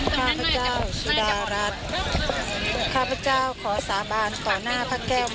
ข้าพเจ้าสุดารัฐข้าพเจ้าขอสาบานต่อหน้าพระแก้ว